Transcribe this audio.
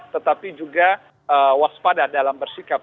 tetapi juga waspada dalam bersikap